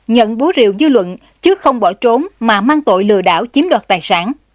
nhận bố rìu dư luận chứ không bỏ trốn mà mang tội lừa đảo chiếm đoạt tài sản